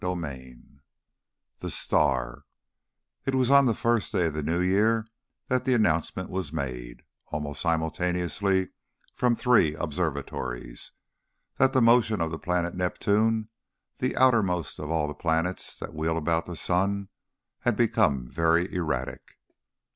The Star THE STAR It was on the first day of the new year that the announcement was made, almost simultaneously from three observatories, that the motion of the planet Neptune, the outermost of all the planets that wheel about the sun, had become very erratic.